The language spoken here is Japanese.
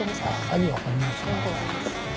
ありがとうございます。